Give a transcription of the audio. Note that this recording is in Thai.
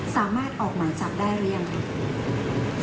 สามารถออกหมายจับได้หรือยังครับ